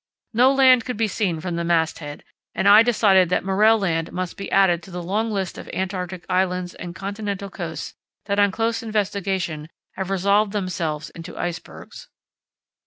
No land could be seen from the mast head, and I decided that Morell Land must be added to the long list of Antarctic islands and continental coasts that on close investigation have resolved themselves into icebergs.